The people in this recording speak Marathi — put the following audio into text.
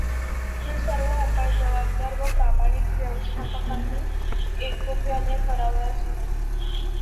हे सर्व उपाय जबाबदार व प्रामाणिक व्यवस्थापकांनी एकोप्याने करावयास हवेत.